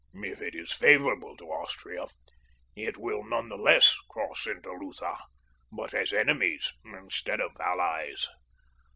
If it is favorable to Austria it will none the less cross into Lutha, but as enemies instead of allies.